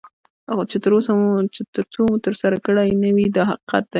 چې تر څو مو ترسره کړي نه وي دا حقیقت دی.